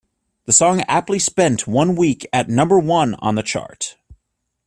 The song aptly spent one week at number one on the chart.